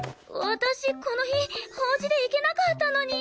私この日法事で行けなかったのにー！